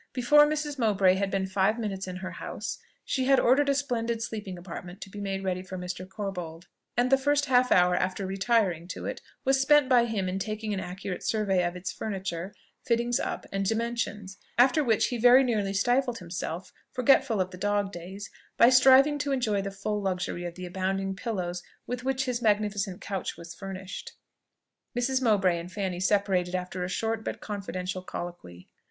Before Mrs. Mowbray had been five minutes in her house, she had ordered a splendid sleeping apartment to be made ready for Mr. Corbold; and the first half hour after retiring to it, was spent by him in taking an accurate survey of its furniture, fittings up, and dimensions: after which, he very nearly stifled himself (forgetful of the dog days) by striving to enjoy the full luxury of the abounding pillows with which his magnificent couch was furnished. Mrs. Mowbray and Fanny separated after a short but confidential colloquy.